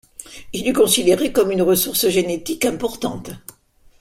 Il est considéré comme une ressource génétique importante.